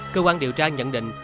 cơ quan điều tra nhận định